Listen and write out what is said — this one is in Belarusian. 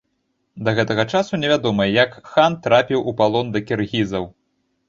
Да гэтага часу не вядома, як хан трапіў у палон да кіргізаў.